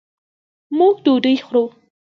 موږ ډوډۍ خورو